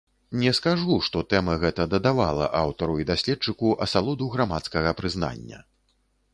Не скажу, што тэма гэта дадавала аўтару і даследчыку асалоду грамадскага прызнання.